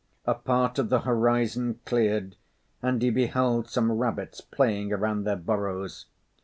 A part of the horizon cleared, and he beheld some rabbits playing around their burrows.